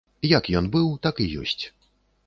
Як ён быў, так і ёсць.